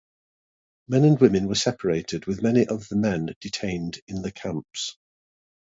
Men and women were separated, with many of the men detained in the camps.